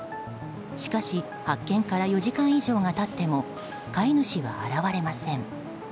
しかし、発見から４時間以上が経っても飼い主は現れません。